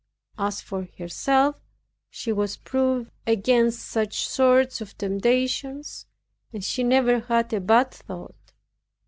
As for herself, she was proof against such sorts of temptations, and that she never had a bad thought.